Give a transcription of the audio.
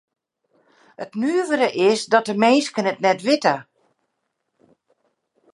It nuvere is dat de minsken it net witte.